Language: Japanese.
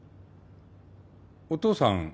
お父さん